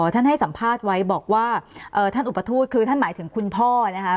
ให้สัมภาษณ์ไว้บอกว่าท่านอุปทูตคือท่านหมายถึงคุณพ่อนะคะ